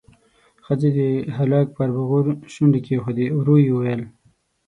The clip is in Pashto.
ښځې د هلک پر بغور شونډې کېښودې، ورو يې وويل: